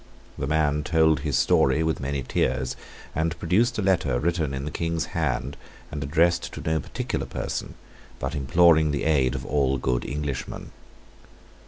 The man told his story with many tears, and produced a letter written in the King's hand, and addressed to no particular person, but imploring the aid of all good Englishmen.